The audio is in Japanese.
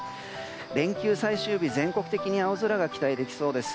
連休最終日全国的に青空が期待できそうです。